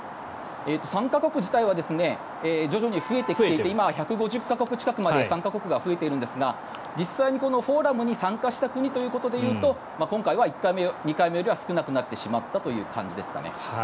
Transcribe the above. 参加国自体は徐々に増えてきていて今は１５０か国近くまで参加国が増えているんですが実際にフォーラムに参加した国ということでいうと今回は１回目、２回目よりは少なくなってしまったという感じですかね。